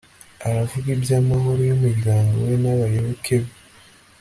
aravuga iby'amahoro y'umuryango we n'abayoboke be